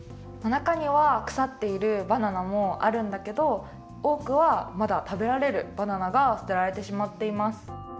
なかにはくさっているバナナもあるんだけどおおくはまだ食べられるバナナがすてられてしまっています。